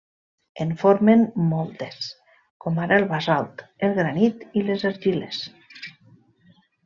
En formen moltes, com ara el basalt, el granit i les argiles.